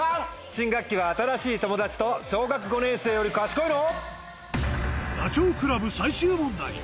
新学期は新しい友達と「小学５年生より賢いの？」。